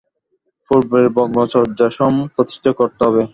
পূর্বের ব্রহ্মচর্যাশ্রম প্রতিষ্ঠিত করতে হবে।